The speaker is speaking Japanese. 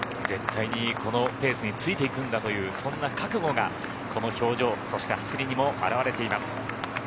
絶対にこのペースについていくんだというそんな覚悟がこの表情そして走りにも表れています。